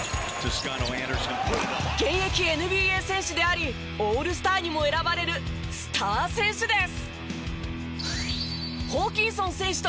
現役ＮＢＡ選手でありオールスターにも選ばれるスター選手です。